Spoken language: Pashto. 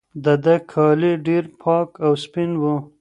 د ده کالي ډېر پاک او سپین وو.